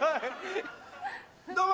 どうも！